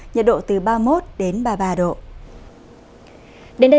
nhiệt độ từ ba mươi một đến ba mươi ba độ